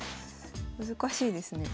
難しいですね。